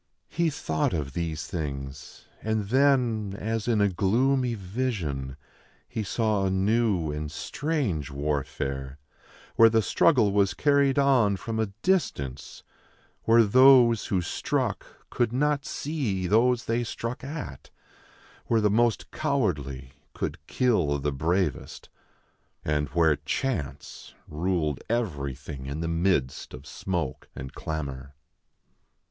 He thought of these things ; and then, as in a gloomy vision, he saw a new and strange warfare, where the struggle was carried on from a distance, where those who struck could not see those they struck at, where the most cowardly could kill the bravest, and where chance ruled everything in the midst of smoke and clamor.